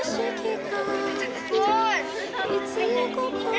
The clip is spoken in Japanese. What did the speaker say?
すごい！え